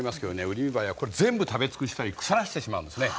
ウリミバエはこれ全部食べ尽くしたり腐らしてしまうんですね。